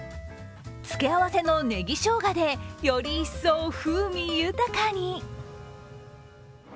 付け合わせのねぎしょうがでより一層、風味豊に。